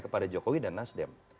kepada jokowi dan nasdem